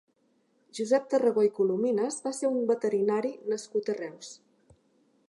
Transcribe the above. Josep Tarragó i Colominas va ser un veterinari nascut a Reus.